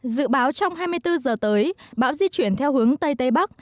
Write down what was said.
dự báo trong hai mươi bốn giờ tới bão di chuyển theo hướng tây tây bắc